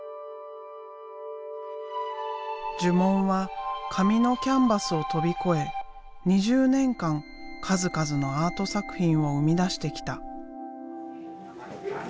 呪文は紙のキャンバスを飛び越え２０年間数々のアート作品を生み出してきた。